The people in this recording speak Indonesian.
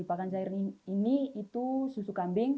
pakan zairin ini itu susu kambing